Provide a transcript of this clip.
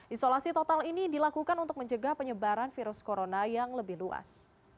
isolasi total ini dilakukan untuk mencegah penyebaran virus corona yang lebih luas